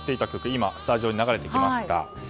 今、スタジオに流れてきました。